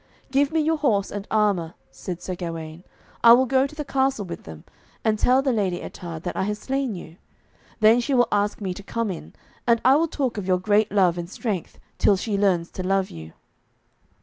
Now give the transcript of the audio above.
'Give me your horse and armour,' said Sir Gawaine. 'I will go to the castle with them, and tell the Lady Ettarde that I have slain you. Then she will ask me to come in, and I will talk of your great love and strength, till she learns to love you.'